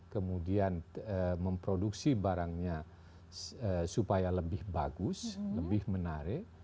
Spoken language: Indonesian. kemudian memproduksi barangnya supaya lebih bagus lebih menarik